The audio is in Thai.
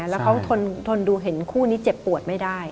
แล้วเขาทนดูเห็นคู่นี้เจ็บปวดไม่ได้